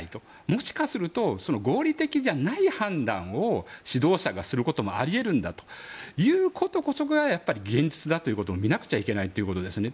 もしかすると合理的じゃない判断を指導者がすることもあり得るんだということこそがやっぱり現実だということも見なくちゃいけないということですね。